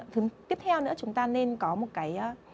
tiếp theo nữa chúng ta nên có một cái